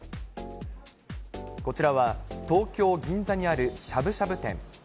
こちらは東京・銀座にあるしゃぶしゃぶ店。